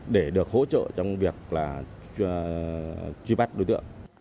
để được hỗ trợ trong việc là truy bắt đối tượng